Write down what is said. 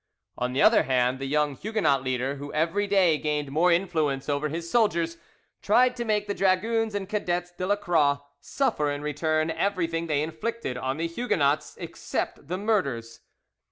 On the other hand, the young Huguenot leader, who every day gained more influence over his soldiers, tried to make the dragoons and Cadets de la Croix suffer in return everything they inflicted on the Huguenots, except the murders.